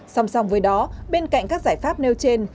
song song với đó bên cạnh các giải pháp nêu trên